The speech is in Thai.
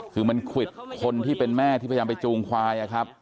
คือมันควิดคนที่เป็นแม่ที่พยายามไปจูงควายอะครับ